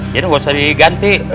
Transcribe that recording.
jadi gak usah diganti